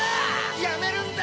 ・やめるんだ！